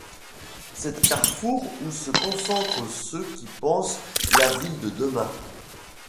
C'est un carrefour où se rencontrent ceux qui pensent la ville de demain.